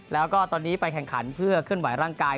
แล้วก็ตอนนี้ไปแข่งขันเพื่อเคลื่อนไหวร่างกาย